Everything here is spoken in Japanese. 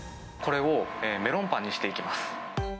これをメロンパンにしていきます。